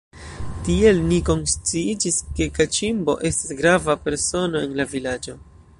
Tiel ni konsciiĝis, ke Kaĉimbo estas grava persono en la vilaĝo.